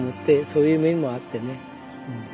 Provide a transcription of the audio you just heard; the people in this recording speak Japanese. そういう面もあってね。